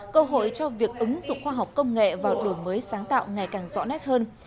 cơ hội cho việc ứng dụng khoa học công nghệ vào đổi mới sáng tạo ngày càng rõ nét hơn